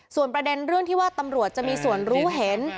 ส่วนประเด็นเรื่องที่ว่าตำรวจจะมีส่วนรู้เห็น